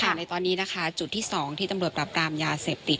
ในตอนนี้นะคะจุดที่๒ที่ตำรวจปรับปรามยาเสพติด